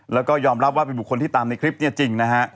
แล้วก็ยอมรับว่าเป็นบุคคลที่ตามในคลิปเนี่ยจริงนะฮะ